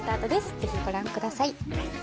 ぜひご覧ください。